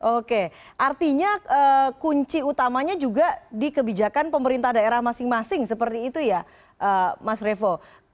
oke artinya kunci utamanya juga di kebijakan pemerintah daerah masing masing seperti itu ya mas revo